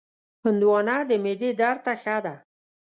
هندوانه د معدې درد ته ښه ده.